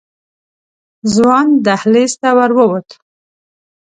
ځوان دهلېز ته ورو ووت.